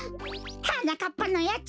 はなかっぱのやつ